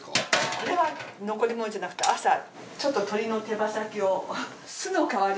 これは残り物じゃなくて朝ちょっと鶏の手羽先を。